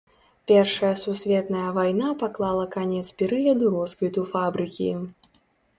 Першая сусветная вайна паклала канец перыяду росквіту фабрыкі.